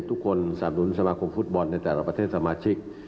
สับหนุนสมาคมฟุตบอลในแต่ละประเทศสมาชิก